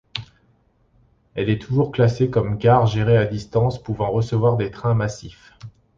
Elle est toujours classée comme gare gérée à distance pouvant recevoir des trains massifs.